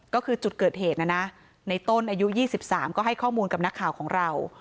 ก็คือจุดเกิดเหตุนะนะในต้นอายุ๒๓ก็ให้ข้อมูลกับนักข่าวของเรา